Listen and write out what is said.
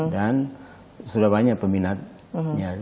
dan sudah banyak peminatnya